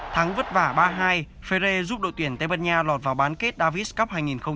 thắng vất vả ba hai ferre giúp đội tuyển tây bật nha lọt vào bán kết davis cup hai nghìn một mươi tám